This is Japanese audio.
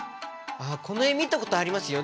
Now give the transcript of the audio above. あこの絵見たことありますよ。